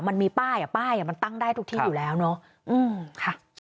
มันมีป้ายอ่ะป้ายมันตั้งได้ทุกที่อยู่แล้วเนาะ